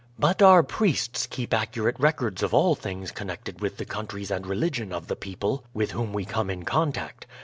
"But our priests keep accurate records of all things connected with the countries and religion of the people with whom we come in contact.